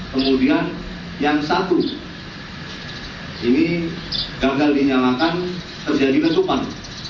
kemudian yang satu ini gagal dinyalakan terjadi lesupan